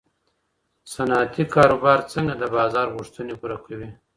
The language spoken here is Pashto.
صنعتي کاروبار څنګه د بازار غوښتنې پوره کوي؟